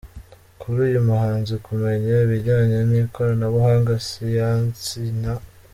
Kuri uyu muhanzi, kumenya ibijyanye nikoranabuhanga, siyansi na.